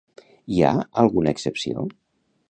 Hi ha alguna excepció?